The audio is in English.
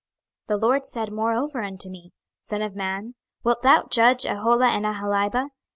26:023:036 The LORD said moreover unto me; Son of man, wilt thou judge Aholah and Aholibah?